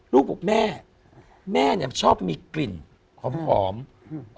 ลูกบอกแม่แม่เนี้ยชอบมีกลิ่นหอมหอมอืม